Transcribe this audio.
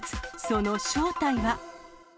その正体は？